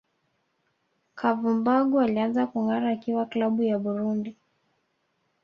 Kavumbagu alianza kungara akiwa klabu ya Burundi